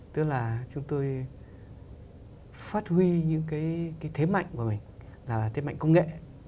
tức là chúng tôi phát huy những cái thế mạnh của mình là thế mạnh công nghệ